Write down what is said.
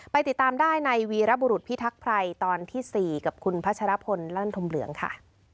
ติดตามได้ในวีรบุรุษพิทักษ์ภัยตอนที่๔กับคุณพัชรพลลั่นธมเหลืองค่ะ